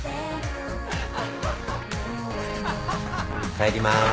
帰りまーす。